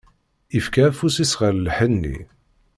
Yefka afus-is ɣer lḥenni.